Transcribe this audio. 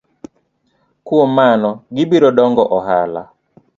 Kuom mano gibiro dongo ohala.